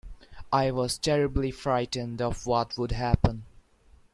I was terribly frightened of what would happen.